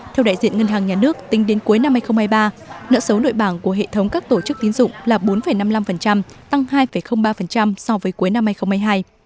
theo đại diện ngân hàng nhà nước tính đến cuối năm hai nghìn hai mươi ba nợ xấu nội bảng của hệ thống các tổ chức tín dụng là bốn năm mươi năm tăng hai ba so với cuối năm hai nghìn hai mươi hai